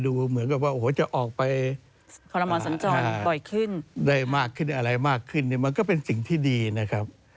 ได้มากขึ้นอะไรมากขึ้นมันก็เป็นสิ่งที่ดีนะครับ